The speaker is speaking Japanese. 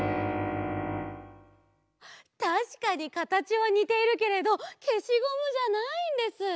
たしかにかたちはにているけれどけしゴムじゃないんです！